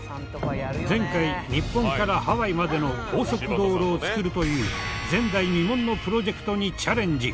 前回日本からハワイまでの高速道路を造るという前代未聞のプロジェクトにチャレンジ。